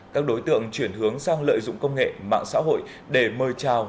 các đối tượng chuyển hướng sang lợi dụng công nghệ mạng xã hội để mời chào